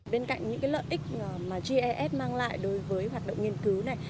bên cạnh những lợi ích mà gis mang lại đối với hoạt động nghiên cứu này